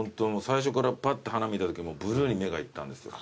最初からぱって花見たときブルーに目がいったんですよ。